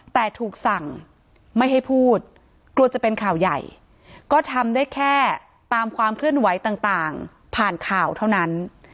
แต่ถูกสั่งไม่ให้พูดกลัวจะเป็นข่าวใหญ่ก็ทำได้แค่ตามความเคลื่อนไหวต่างผ่านข่าวเท่านั้น